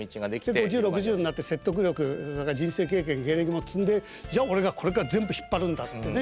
で５０６０になって説得力それから人生経験芸歴も積んでじゃあ俺がこれから全部引っ張るんだってね。